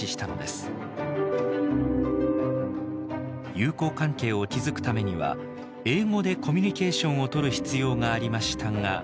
友好関係を築くためには英語でコミュニケーションをとる必要がありましたが。